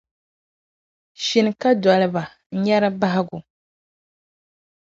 Shini ka doli ba n-nya di bahigu.